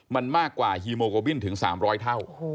มันมากกว่าฮีโมโกบินถึง๓๐๐เท่า